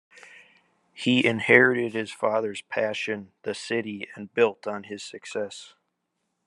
He inherited his father's passion the city and built on his success.